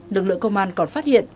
lực lượng công an còn phát hiện